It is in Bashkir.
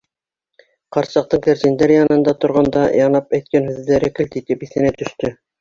Ҡарсыҡтың кәрзиндәр янында торғанда янап әйткән һүҙҙәре келт итеп иҫенә төштө.